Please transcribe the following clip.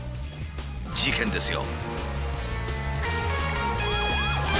事件ですよ。